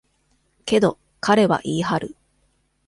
けど、彼は言い張る。